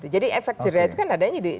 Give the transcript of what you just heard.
jadi efek jerah itu kan adanya